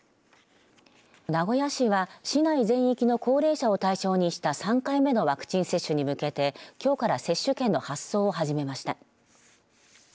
名古屋市は市内全域の高齢者を対象にした３回目のワクチン接種に向けてきょうから接種券の発送を始めました。